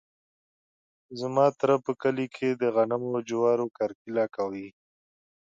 زما تره په کلي کې د غنمو او جوارو کرکیله کوي.